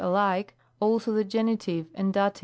alike, also the Gen. and Dat.